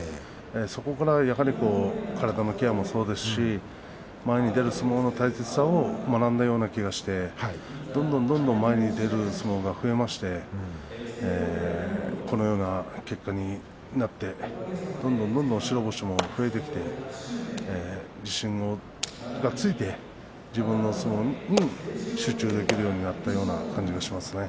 そこから体のケアもそうですし前に出る相撲の大切さも学んだようでどんどん前に出る相撲が増えましてこのような結果になってどんどん白星が増えてきて自信がついて自分の相撲に集中できるようになった気がします。